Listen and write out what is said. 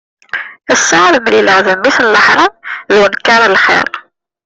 Ass-a ad d-mlileɣ d mmi-s n leḥṛam d unekkaṛ lxir.